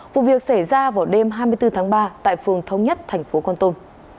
vụ việc xảy ra vào đêm hai mươi bốn tháng ba tại phường thống nhất tp con tôm